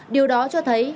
điều đó cho thấy